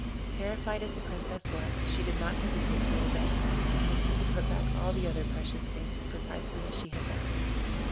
Terrified as the Princess was, she did not hesitate to obey, and hastened to put back all the other precious things precisely as she had found them.